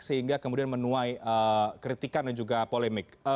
sehingga kemudian menuai kritikan dan juga polemik